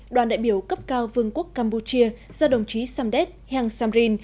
đoàn đại biểu cấp cao vương quốc campuchia do đồng chí samdet heng samrin